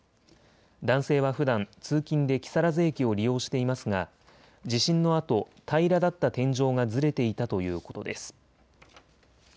男性はふだん通勤で木更津駅を利用していますが地震のあと平らだった天井がずれていたということです。